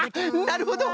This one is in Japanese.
なるほど！